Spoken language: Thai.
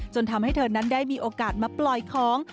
ทำให้เธอนั้นได้มีโอกาสมาปล่อยของ